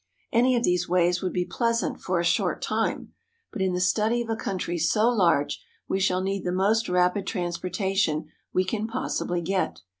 Any of these ways would be pleasant for a short time, but in the study of a country so large we shall need the most rapid transportation we can possibly get.